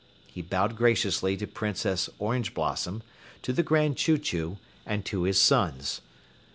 He bowed graciously to Princess Orange Blossom, to the Grand Chew Chew, and to his sons.